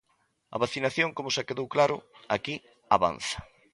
A vacinación, como xa quedou claro aquí, avanza.